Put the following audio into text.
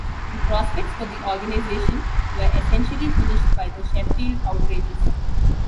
The prospects for the organisation were essentially finished by the Sheffield Outrages.